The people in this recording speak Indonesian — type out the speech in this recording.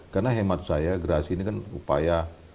karena hemat saya gerasi ini kan upaya